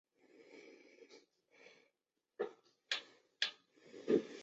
白纹歧脊沫蝉为尖胸沫蝉科歧脊沫蝉属下的一个种。